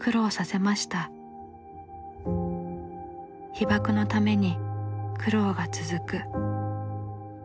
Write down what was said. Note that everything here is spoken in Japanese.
被爆の為に苦労が続く。